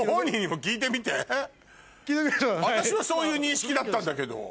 私はそういう認識だったんだけど。